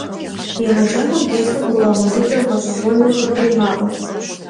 Ди егъэджакӀуэм дерсхэр гурыӀуэгъуэ дыдэу, гъэщӀэгъуэну къыдгурегъаӀуэр.